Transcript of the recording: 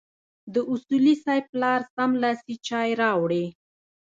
د اصولي صیب پلار سملاسي چای راوړې.